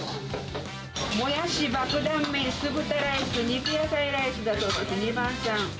もやし、バクダン麺、酢豚ライス、肉野菜ライス、２番さん。